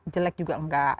jelek juga enggak